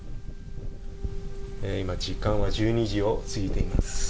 今、時間は１２時を過ぎています。